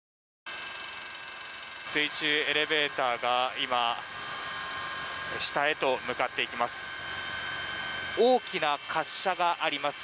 水中エレベーターが今、下へと向かっていきます。